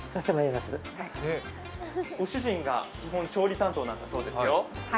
ご主人が基本、調理担当なんだそうですよ。